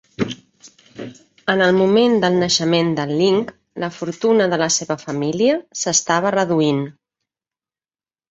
En el moment del naixement de Ling, la fortuna de la seva família s'estava reduint.